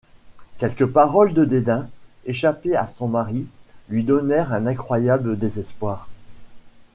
Quelques paroles de dédain, échappées à son mari, lui donnèrent un incroyable désespoir.